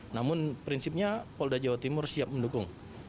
namun prinsipnya pol da jawa timur siap mendukung